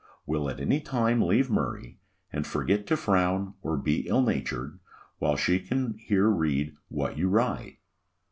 will at any time leave Murray, and forget to frown or be ill natured, while she can hear read what you write.